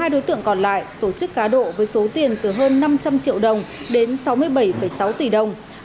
hai đối tượng còn lại tổ chức cá độ với số tiền từ hơn năm trăm linh triệu đồng đến sáu mươi bảy sáu tỷ đồng